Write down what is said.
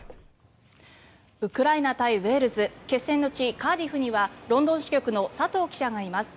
ウクライナ対ウェールズ決戦の地、カーディフにはロンドン支局の佐藤記者がいます。